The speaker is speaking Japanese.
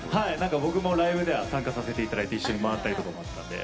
僕もライブでは参加させて頂いて一緒に回ったりとかもあったんで。